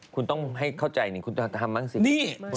คุณต้องให้เข้าใจนี่คุณธรรมบ้างสิ